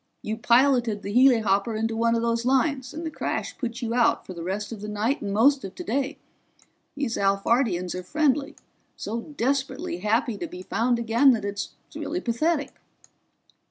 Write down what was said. You piloted the helihopper into one of those lines, and the crash put you out for the rest of the night and most of today. These Alphardians are friendly, so desperately happy to be found again that it's really pathetic."